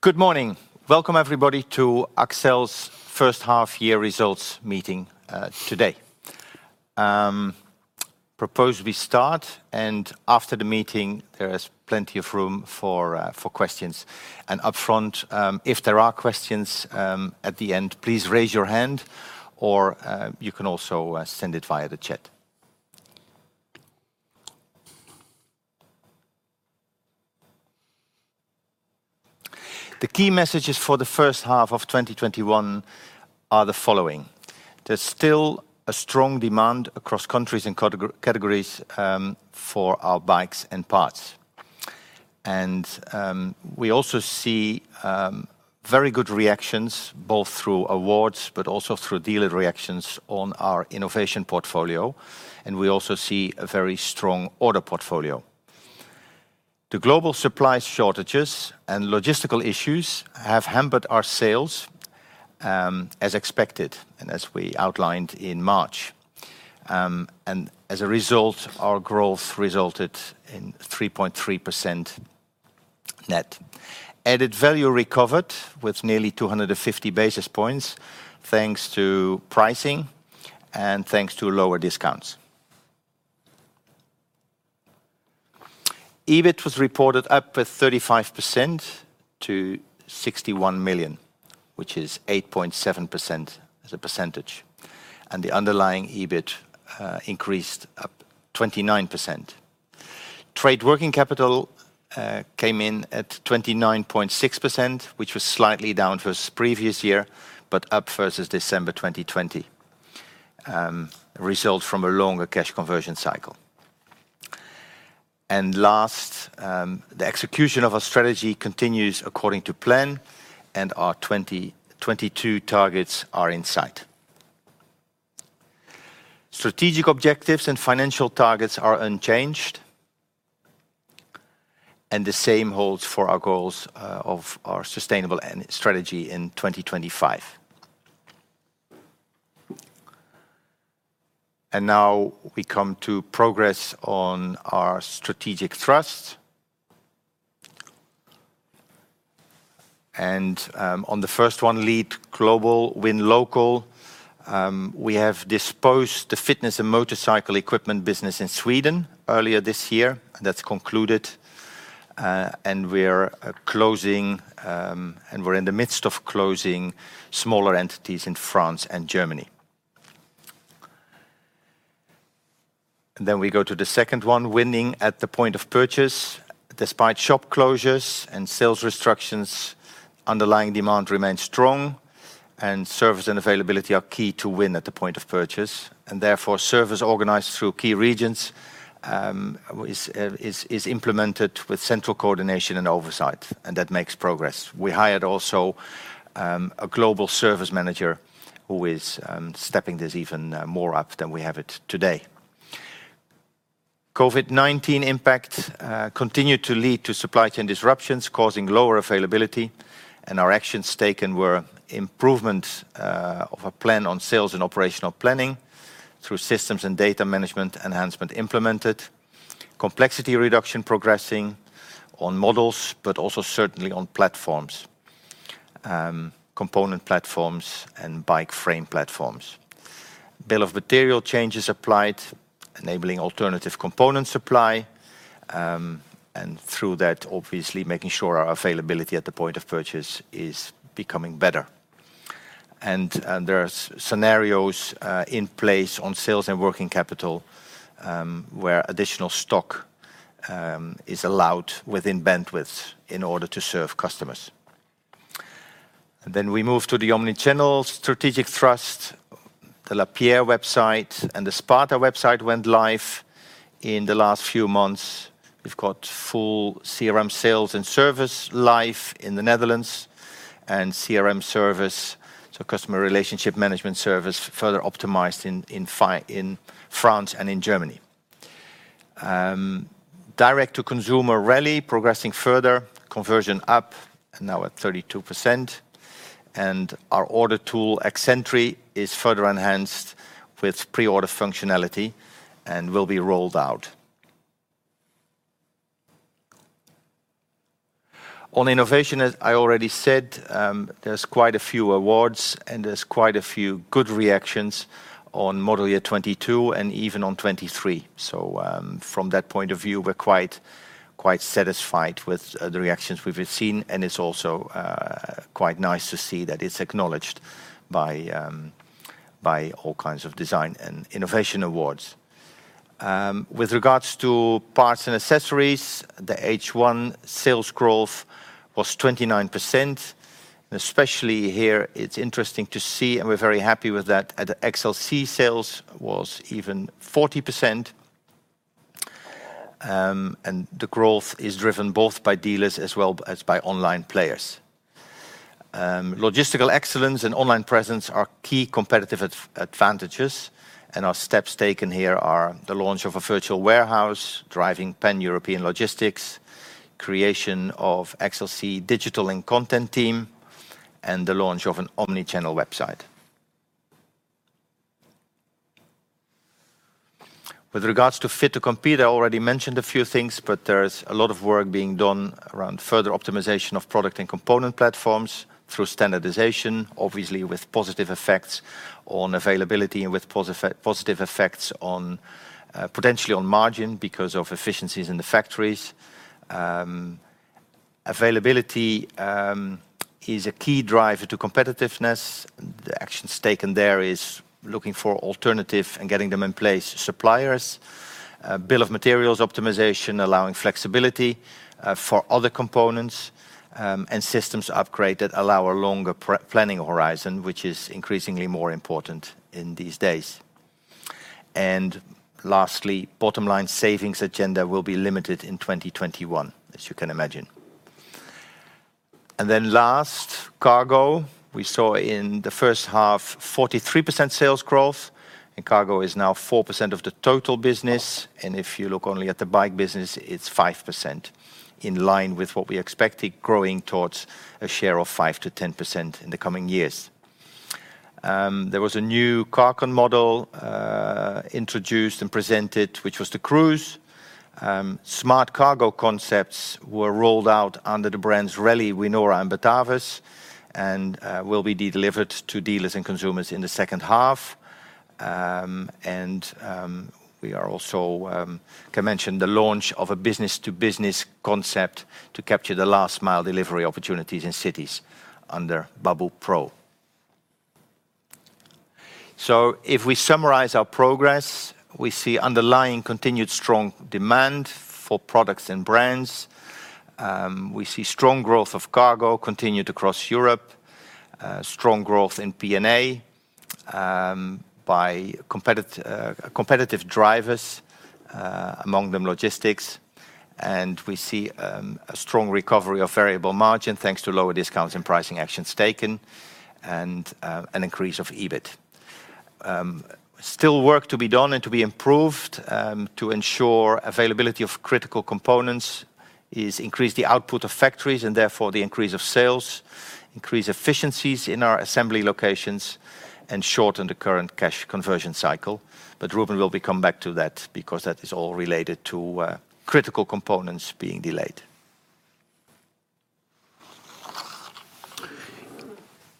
Good morning. Welcome everybody to Accell's first half year results meeting today. Proposed we start. After the meeting, there is plenty of room for questions. Upfront, if there are questions at the end, please raise your hand, or you can also send it via the chat. The key messages for the first half of 2021 are the following. There is still a strong demand across countries and categories for our bikes and parts. We also see very good reactions, both through awards, but also through dealer reactions on our innovation portfolio, and we also see a very strong order portfolio. The global supply shortages and logistical issues have hampered our sales, as expected and as we outlined in March. As a result, our growth resulted in 3.3% net. Added value recovered with nearly 250 basis points, thanks to pricing and thanks to lower discounts. EBIT was reported up 35% to 61 million, which is 8.7%. The underlying EBIT increased up 29%. Trade working capital came in at 29.6%, which was slightly down versus previous year, but up versus December 2020. Result from a longer cash conversion cycle. Last, the execution of our strategy continues according to plan, and our 2022 targets are in sight. Strategic objectives and financial targets are unchanged. The same holds for our goals of our sustainable end strategy in 2025. Now we come to progress on our strategic thrust. On the first one, Lead Global, Win Local, we have disposed the fitness and motorcycle equipment business in Sweden earlier this year. That's concluded, and we're in the midst of closing smaller entities in France and Germany. We go to the second one, Winning at the Point of Purchase. Despite shop closures and sales restrictions, underlying demand remains strong and service and availability are key to win at the point of purchase. Therefore, service organized through key regions is implemented with central coordination and oversight, and that makes progress. We hired also, a global service manager who is stepping this even more up than we have it today. COVID-19 impact continued to lead to supply chain disruptions, causing lower availability, and our actions taken were improvement of a plan on sales and operational planning through systems and data management enhancement implemented. Complexity reduction progressing on models, but also certainly on platforms, component platforms and bike frame platforms. Bill of material changes applied, enabling alternative component supply, and through that, obviously making sure our availability at the point of purchase is becoming better. There are scenarios in place on sales and working capital, where additional stock is allowed within bandwidth in order to serve customers. We move to the omnichannel strategic thrust. The Lapierre website and the Sparta website went live in the last few months. We've got full CRM sales and service live in the Netherlands and CRM service, so customer relationship management service, further optimized in France and in Germany. Direct to consumer Raleigh progressing further, conversion up and now at 32%. Our order tool, Accentry, is further enhanced with pre-order functionality and will be rolled out. On innovation, as I already said, there's quite a few awards and there's quite a few good reactions on model year 2022 and even on 2023. From that point of view, we're quite satisfied with the reactions we've seen and it's also quite nice to see that it's acknowledged by all kinds of design and innovation awards. With regards to parts and accessories, the H1 sales growth was 29%, especially here it's interesting to see, and we're very happy with that, at XLC sales was even 40%. The growth is driven both by dealers as well as by online players. Logistical excellence and online presence are key competitive advantages. Our steps taken here are the launch of a virtual warehouse, driving pan-European logistics, creation of XLC digital and content team, and the launch of an omnichannel website. With regards to fit to compete, I already mentioned a few things. There's a lot of work being done around further optimization of product and component platforms through standardization, obviously with positive effects on availability and with positive effects potentially on margin because of efficiencies in the factories. Availability is a key driver to competitiveness. The actions taken there is looking for alternative and getting them in place. Suppliers, bill of materials optimization, allowing flexibility for other components, and systems upgrade that allow a longer planning horizon, which is increasingly more important in these days. Lastly, bottom line savings agenda will be limited in 2021, as you can imagine. Last, cargo. We saw in the first half 43% sales growth, and cargo is now 4% of the total business. If you look only at the bike business, it's 5%, in line with what we expected, growing towards a share of 5%-10% in the coming years. There was a new cargo model introduced and presented, which was the Cruise. Smart cargo concepts were rolled out under the brands Raleigh, Winora, and Batavus, and will be delivered to dealers and consumers in the second half. We can mention the launch of a business-to-business concept to capture the last mile delivery opportunities in cities under Babboe Pro. If we summarize our progress, we see underlying continued strong demand for products and brands. We see strong growth of cargo continued across Europe. Strong growth in P&A by competitive drivers, among them logistics. We see a strong recovery of variable margin, thanks to lower discounts and pricing actions taken, and an increase of EBIT. Still work to be done and to be improved to ensure availability of critical components is increase the output of factories and therefore the increase of sales, increase efficiencies in our assembly locations, and shorten the current cash conversion cycle. Ruben will be come back to that because that is all related to critical components being delayed.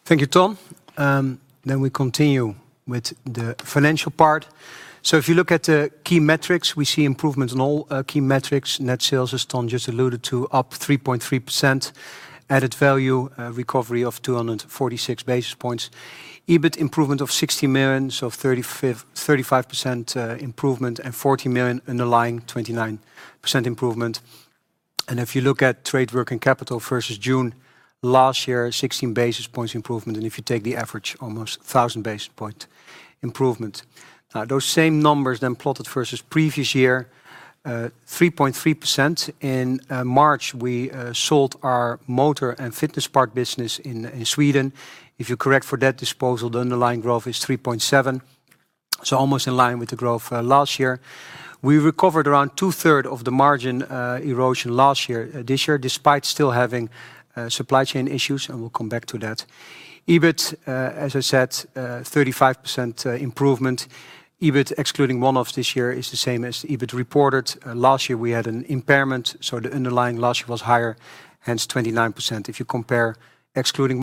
Thank you, Ton. We continue with the financial part. If you look at the key metrics, we see improvement in all key metrics. Net sales, as Ton just alluded to, up 3.3%. Added value, recovery of 246 basis points. EBIT improvement of 60 million, so 35% improvement, and 40 million underlying, 29% improvement. If you look at trade working capital versus June last year, 16 basis points improvement. If you take the average, almost 1,000 basis point improvement. Now, those same numbers then plotted versus previous year, 3.3%. In March, we sold our motor and fitness part business in Sweden. If you correct for that disposal, the underlying growth is 3.7%. Almost in line with the growth last year. We recovered around two third of the margin erosion last year, this year, despite still having supply chain issues, and we will come back to that. EBIT, as I said, 35% improvement. EBIT excluding one-offs this year is the same as EBIT reported. Last year we had an impairment. The underlying last year was higher, hence 29% if you compare excluding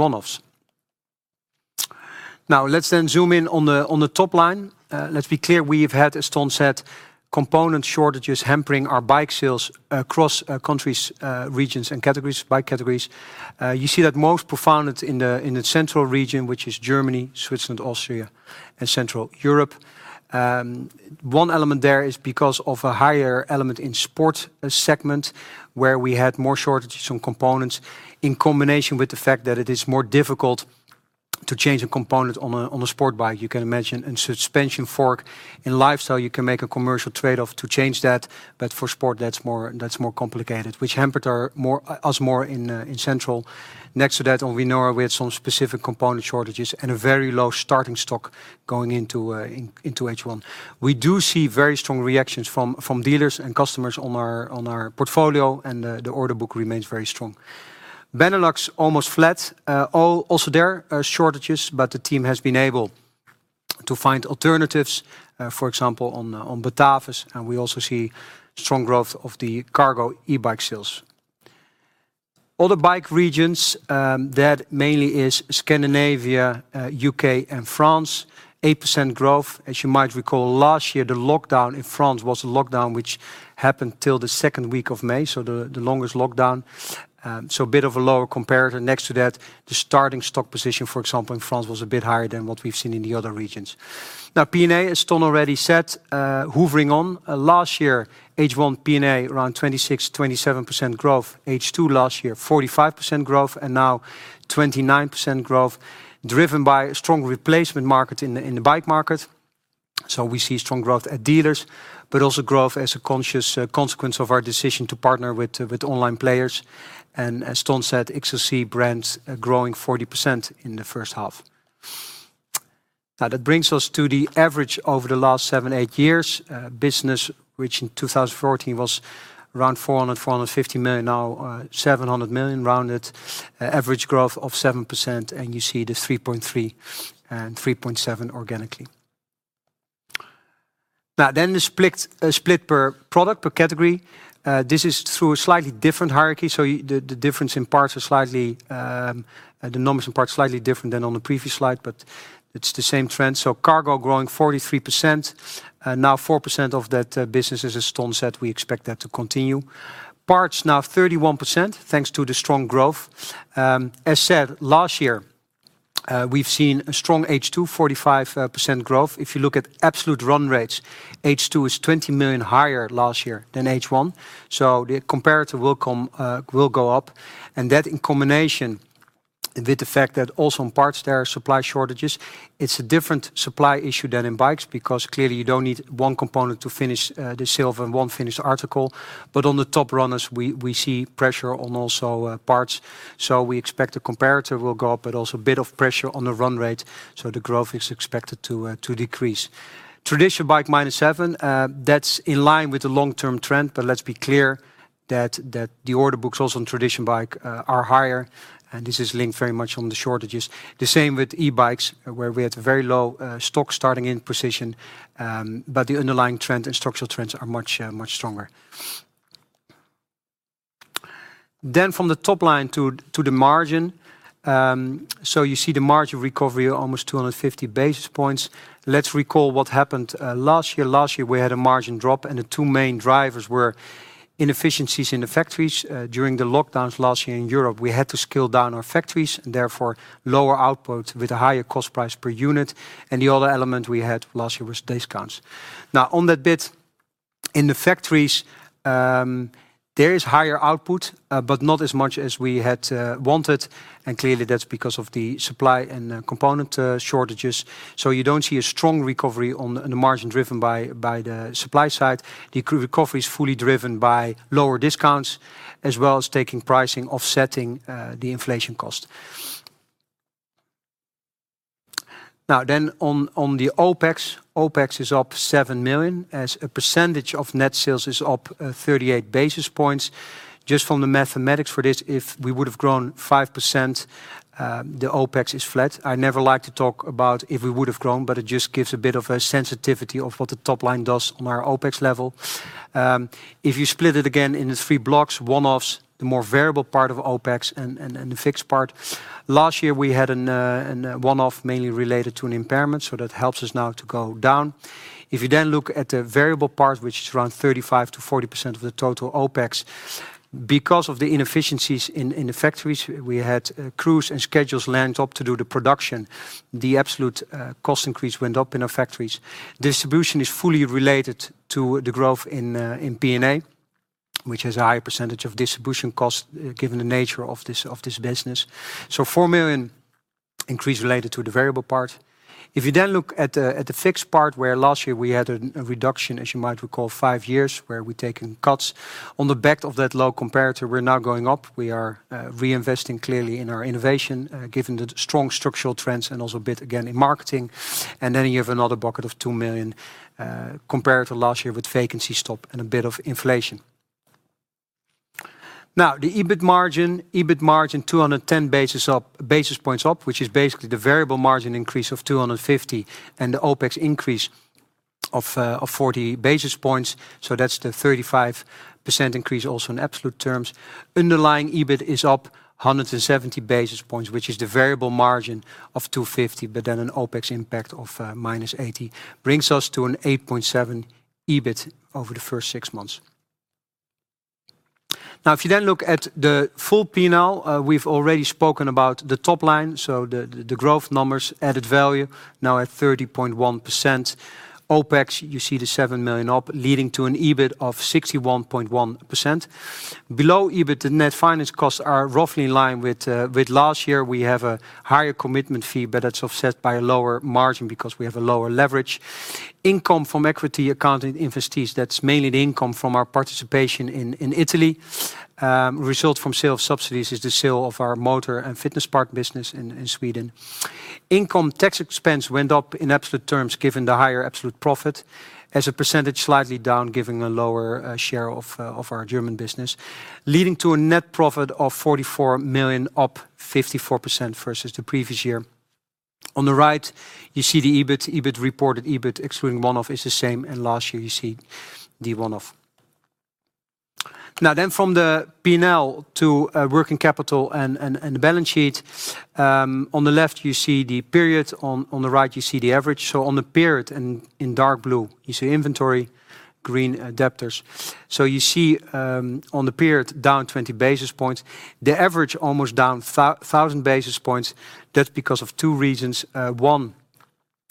one-offs. Let's zoom in on the top line. Let's be clear, we have had, as Ton said, component shortages hampering our bike sales across countries, regions, and bike categories. You see that most profound in the central region, which is Germany, Switzerland, Austria and Central Europe. One element there is because of a higher element in sport segment, where we had more shortages on components in combination with the fact that it is more difficult to change a component on a sport bike. You can imagine a suspension fork in lifestyle, you can make a commercial trade-off to change that. For sport, that's more complicated, which hampered us more in Central. Next to that, on Winora, we had some specific component shortages and a very low starting stock going into H1. We do see very strong reactions from dealers and customers on our portfolio, and the order book remains very strong. Benelux almost flat. There are shortages, but the team has been able to find alternatives, for example, on Batavus, and we also see strong growth of the cargo e-bike sales. Other bike regions, that mainly is Scandinavia, U.K., and France, 8% growth. As you might recall, last year, the lockdown in France was a lockdown which happened till the second week of May, the longest lockdown. A bit of a lower comparator next to that. The starting stock position, for example, in France, was a bit higher than what we've seen in the other regions. P&A, as Ton already said, hoovering on. Last year, H1 P&A, around 26%-27% growth. H2 last year, 45% growth. Now 29% growth, driven by strong replacement market in the bike market. We see strong growth at dealers, also growth as a consequence of our decision to partner with online players. As Ton said, XLC brands growing 40% in the first half. That brings us to the average over the last seven, eight years. Business, which in 2014 was around 400 million-450 million, now 700 million rounded. Average growth of 7%. You see the 3.3% and 3.7% organically. The split per product, per category. This is through a slightly different hierarchy. The numbers in parts slightly different than on the previous slide, it's the same trend. Cargo growing 43%. 4% of that business is as Ton said, we expect that to continue. Parts now 31% thanks to the strong growth. As said, last year, we've seen a strong H2, 45% growth. If you look at absolute run rates, H2 is 20 million higher last year than H1, the comparator will go up, that in combination with the fact that also in parts, there are supply shortages. It's a different supply issue than in bikes, because clearly you don't need one component to finish the sale of one finished article. On the top runners, we see pressure on also parts. We expect the comparator will go up, also a bit of pressure on the run rate, the growth is expected to decrease. Traditional bike -7%. That's in line with the long-term trend, let's be clear that the order books also on traditional bike are higher. This is linked very much on the shortages. The same with e-bikes, where we had very low stock starting in position, but the underlying trend and structural trends are much stronger. From the top line to the margin. You see the margin recovery almost 250 basis points. Let's recall what happened last year. Last year, we had a margin drop, and the two main drivers were inefficiencies in the factories. During the lockdowns last year in Europe, we had to scale down our factories, and therefore lower output with a higher cost price per unit, and the other element we had last year was discounts. On that bit, in the factories, there is higher output, but not as much as we had wanted, and clearly that's because of the supply and component shortages. You don't see a strong recovery on the margin driven by the supply side. The recovery is fully driven by lower discounts as well as taking pricing, offsetting the inflation cost. Then on the OpEx. OpEx is up 7 million. As a percentage of net sales is up 38 basis points. Just from the mathematics for this, if we would have grown 5%, the OpEx is flat. I never like to talk about if we would have grown, but it just gives a bit of a sensitivity of what the top line does on our OpEx level. If you split it again into three blocks, one-offs, the more variable part of OpEx, and the fixed part. Last year, we had a one-off mainly related to an impairment. That helps us now to go down. You then look at the variable part, which is around 35%-40% of the total OpEx, because of the inefficiencies in the factories, we had crews and schedules ramped up to do the production. The absolute cost increase went up in our factories. Distribution is fully related to the growth in P&A, which has a high percentage of distribution costs given the nature of this business. 4 million increase related to the variable part. You then look at the fixed part, where last year we had a reduction, as you might recall, five years where we've taken cuts. On the back of that low comparator, we're now going up. We are reinvesting clearly in our innovation, given the strong structural trends and also a bit again in marketing. You have another bucket of 2 million compared to last year with vacancy stop and a bit of inflation. The EBIT margin. EBIT margin 210 basis points up, which is basically the variable margin increase of 250 basis points and the OpEx increase of 40 basis points, so that's the 35% increase also in absolute terms. Underlying EBIT is up 170 basis points, which is the variable margin of 250 basis points, an OpEx impact of -80 basis points brings us to an 8.7% EBIT over the first six months. If you look at the full P&L, we've already spoken about the top line, so the growth numbers, added value now at 30.1%. OpEx, you see the 7 million up, leading to an EBIT of 61.1%. Below EBIT, the net finance costs are roughly in line with last year. We have a higher commitment fee, but that's offset by a lower margin because we have a lower leverage. Income from equity account investees, that's mainly the income from our participation in Italy. Result from sale of subsidiaries is the sale of our motor and fitness part business in Sweden. Income tax expense went up in absolute terms, given the higher absolute profit. As a percentage, slightly down, giving a lower share of our German business, leading to a net profit of 44 million up 54% versus the previous year. On the right, you see the EBIT reported. EBIT excluding one-off is the same, and last year, you see the one-off. From the P&L to working capital and the balance sheet. On the left, you see the period. On the right, you see the average. On the period in dark blue, you see inventory, green adapters. You see on the period down 20 basis points. The average almost down 1,000 basis points. That is because of two reasons. One,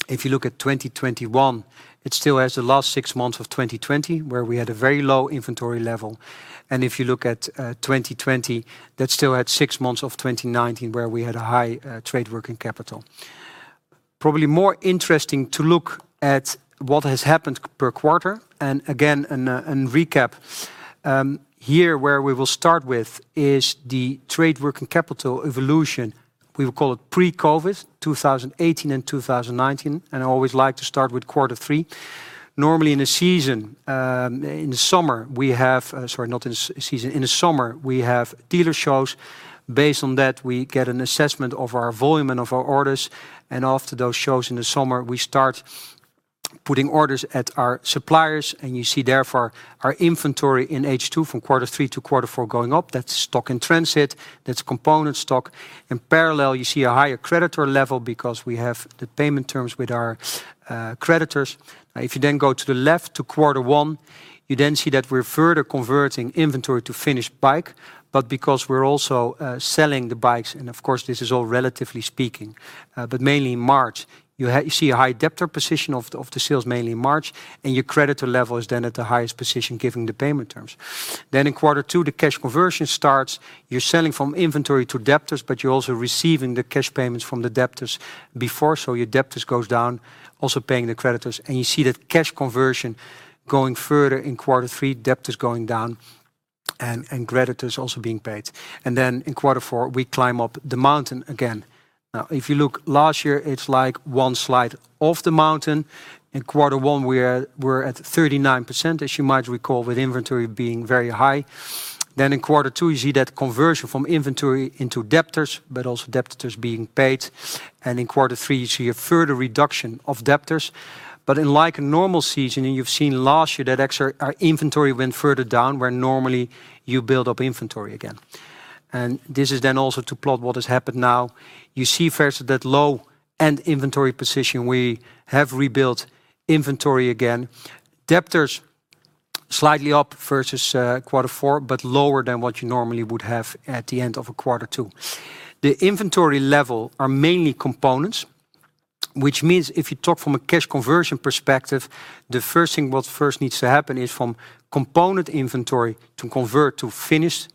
if you look at 2021, it still has the last six months of 2020, where we had a very low inventory level. If you look at 2020, that still had six months of 2019, where we had a high trade working capital. Probably more interesting to look at what has happened per quarter, and recap. Here where we will start with is the trade working capital evolution. We will call it pre-COVID, 2018 and 2019, and I always like to start with quarter three. Normally in the summer, we have dealer shows. Based on that, we get an assessment of our volume and of our orders. After those shows in the summer, we start putting orders at our suppliers. You see therefore our inventory in H2 from Q3 to Q4 going up. That's stock in transit. That's component stock. In parallel, you see a higher creditor level because we have the payment terms with our creditors. If you then go to the left to Q1, you then see that we're further converting inventory to finished bike. Because we're also selling the bikes, and of course, this is all relatively speaking, but mainly in March, you see a high debtor position of the sales mainly in March. Your creditor level is then at the highest position, given the payment terms. In Q2, the cash conversion starts. You're selling from inventory to debtors, but you're also receiving the cash payments from the debtors before, so your debtors goes down, also paying the creditors. You see that cash conversion going further in quarter three, debtors going down, and creditors also being paid. In quarter four, we climb up the mountain again. If you look last year, it's like one slide off the mountain. In quarter one, we're at 39%, as you might recall, with inventory being very high. In quarter two, you see that conversion from inventory into debtors, but also debtors being paid. In quarter three, you see a further reduction of debtors. Unlike a normal season, and you've seen last year that actually our inventory went further down, where normally you build up inventory again. This is then also to plot what has happened now. You see first that low end inventory position, we have rebuilt inventory again. Debtors, slightly up versus quarter four, but lower than what you normally would have at the end of a quarter two. The inventory level are mainly components, which means if you talk from a cash conversion perspective, the first thing what first needs to happen is from component inventory to convert to finished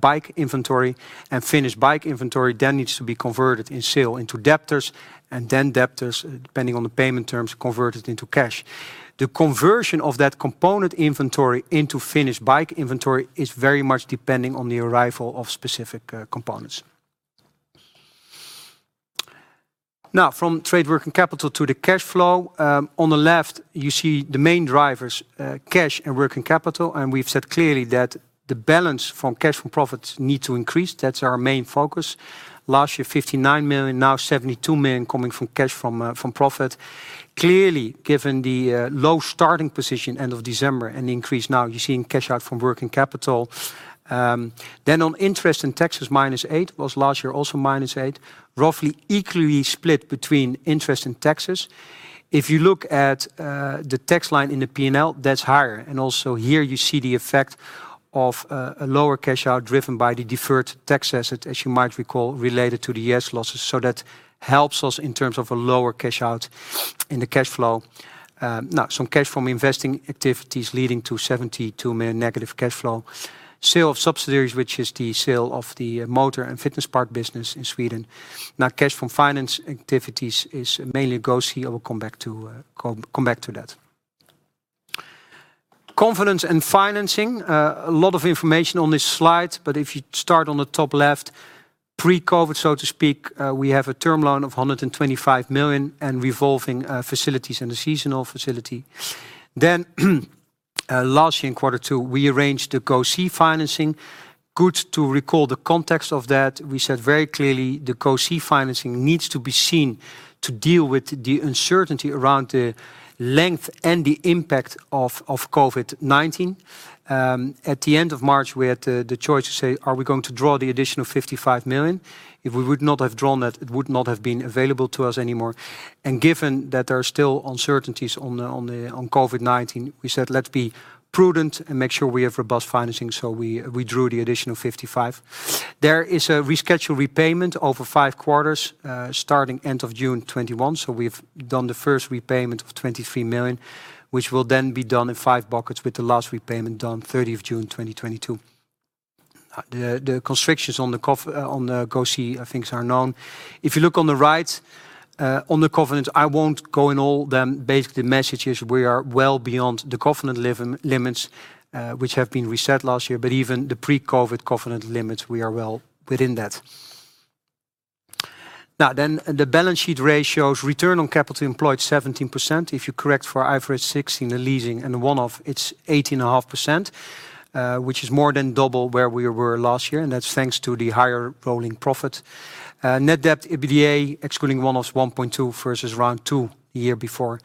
bike inventory, and finished bike inventory then needs to be converted in sale into debtors, and then debtors, depending on the payment terms, converted into cash. The conversion of that component inventory into finished bike inventory is very much depending on the arrival of specific components. Now, from trade working capital to the cash flow. On the left, you see the main drivers, cash and working capital. We've said clearly that the balance from cash from profits need to increase. That's our main focus. Last year, 59 million, now 72 million coming from cash from profit. Clearly, given the low starting position end of December and the increase now, you're seeing cash out from working capital. On interest and taxes, -8. Was last year also -8. Roughly equally split between interest and taxes. If you look at the tax line in the P&L, that's higher. Also here you see the effect of a lower cash out driven by the deferred tax asset, as you might recall, related to the U.S. losses. That helps us in terms of a lower cash out in the cash flow. Some cash from investing activities leading to 72 negative cash flow. Sale of subsidiaries, which is the sale of the motor and fitness part business in Sweden. Cash from finance activities is mainly GO-C. I will come back to that. Confidence and financing. A lot of information on this slide. If you start on the top left, pre-COVID, so to speak, we have a term loan of 125 million and revolving facilities and a seasonal facility. Last year in quarter two, we arranged the GO-C financing. Good to recall the context of that. We said very clearly the GO-C financing needs to be seen to deal with the uncertainty around the length and the impact of COVID-19. At the end of March, we had the choice to say, "Are we going to draw the additional 55 million?" If we would not have drawn that, it would not have been available to us anymore. Given that there are still uncertainties on COVID-19, we said, "Let's be prudent and make sure we have robust financing." We drew the additional 55. There is a rescheduled repayment over five quarters, starting end of June 2021. We've done the first repayment of 23 million, which will then be done in five buckets with the last repayment done 30th June 2022. The constrictions on the GO-C, I think, are known. If you look on the right, on the covenant, I won't go in all them. The message is we are well beyond the covenant limits, which have been reset last year. Even the pre-COVID covenant limits, we are well within that. The balance sheet ratios. Return on capital employed, 17%. If you correct for IFRS 16, the leasing and one-off, it's 18.5%, which is more than double where we were last year, and that's thanks to the higher rolling profit. Net debt, EBITDA, excluding one-offs, 1.2 versus around two the year before.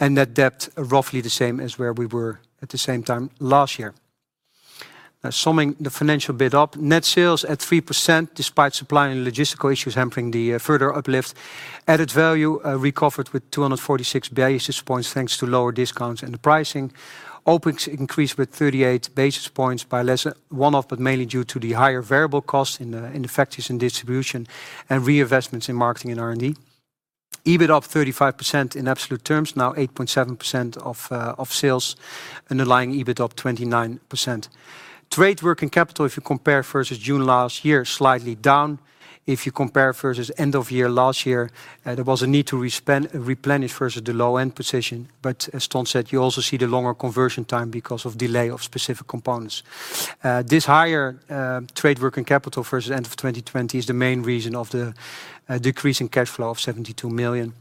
Net debt, roughly the same as where we were at the same time last year. Summing the financial bit up, Net sales at 3% despite supply and logistical issues hampering the further uplift. Added value recovered with 246 basis points, thanks to lower discounts and the pricing. OpEx increased with 38 basis points by less one-off, but mainly due to the higher variable cost in the factories and distribution and reinvestments in marketing and R&D. EBIT up 35% in absolute terms, now 8.7% of sales. Underlying EBIT up 29%. Trade working capital, if you compare versus June last year, slightly down. If you compare versus end of year last year, there was a need to replenish versus the low end position. As Ton said, you also see the longer conversion time because of delay of specific components. This higher trade working capital versus end of 2020 is the main reason of the decrease in cash flow of 72 million.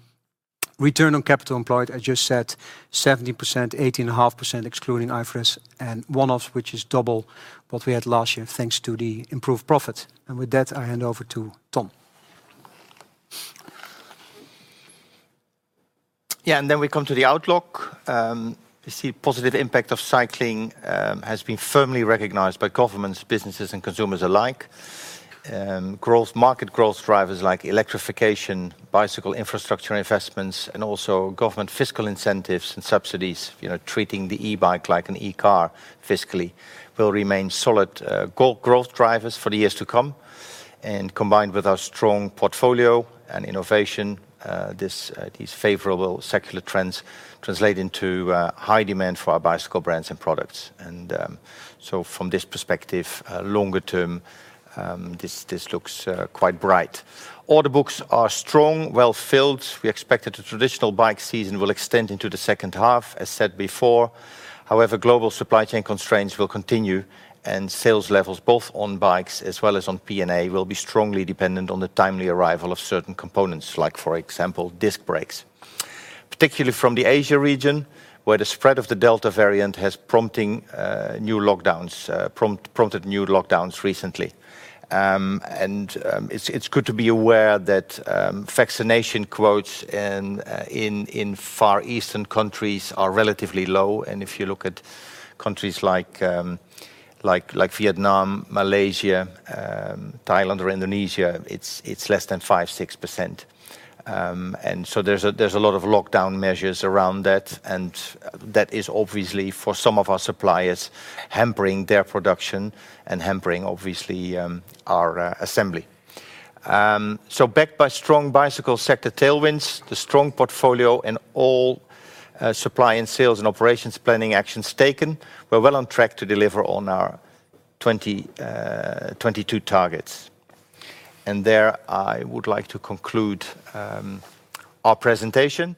Return on capital employed, I just said 17%, 18.5% excluding IFRS and one-offs, which is double what we had last year, thanks to the improved profit. With that, I hand over to Ton. We come to the outlook. We see positive impact of cycling has been firmly recognized by governments, businesses, and consumers alike. Market growth drivers like electrification, bicycle infrastructure investments, and also government fiscal incentives and subsidies, treating the e-bike like an e-car fiscally, will remain solid growth drivers for the years to come. Combined with our strong portfolio and innovation, these favorable secular trends translate into high demand for our bicycle brands and products. From this perspective, longer term, this looks quite bright. Order books are strong, well-filled. We expect that the traditional bike season will extend into the second half, as said before. However, global supply chain constraints will continue, and sales levels both on bikes as well as on P&A will be strongly dependent on the timely arrival of certain components, like for example, disc brakes. Particularly from the Asia region, where the spread of the Delta variant has prompted new lockdowns recently. It's good to be aware that vaccination rates in Far Eastern countries are relatively low. If you look at countries like Vietnam, Malaysia, Thailand, or Indonesia, it's less than 5%, 6%. There's a lot of lockdown measures around that. That is obviously, for some of our suppliers, hampering their production and hampering, obviously, our assembly. Backed by strong bicycle sector tailwinds, the strong portfolio in all supply and sales and operations planning actions taken, we're well on track to deliver on our 2022 targets. There I would like to conclude our presentation.